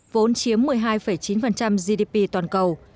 vốn chiếm một mươi hai chín gdp toàn cầu